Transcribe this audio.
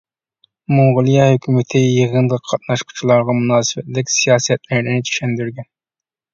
موڭغۇلىيە ھۆكۈمىتى يىغىنغا قاتناشقۇچىلارغا مۇناسىۋەتلىك سىياسەتلەرنى چۈشەندۈرگەن.